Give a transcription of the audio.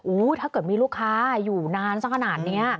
ถ้าเกิดมีลูกค้าอยู่นานสักขนาดนี้